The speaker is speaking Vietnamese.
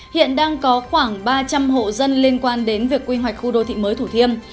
hiện đang có khoảng ba trăm linh hộ dân liên quan đến việc quy hoạch khu đô thị mới thủ thiêm